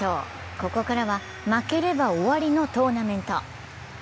ここからは負ければ終わりのトーナメント。